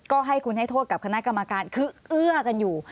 ก็ให้คุณให้โทษกับคณะกรรมการคือเอื้อกันอยู่